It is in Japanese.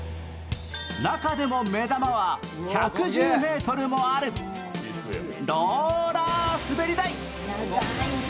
中でも目玉は１１０ｍもあるローラー滑り台。